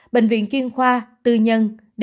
bệnh viện chuyên khoa tư nhân